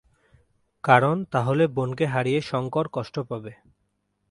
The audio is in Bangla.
কারণ তাহলে বোনকে হারিয়ে "শঙ্কর" কষ্ট পাবে।